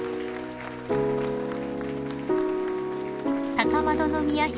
［高円宮妃